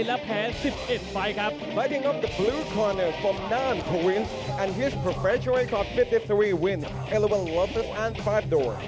และนี่คือโปรแฟร์เจอร์เอลวิลลอฟเตอร์และแฟพ์โดร